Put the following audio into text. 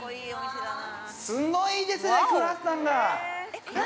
◆すごいですね、クロワッサンが。